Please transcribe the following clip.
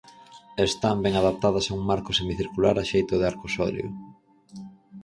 Están ben adaptadas a un marco semicircular a xeito de arcosolio.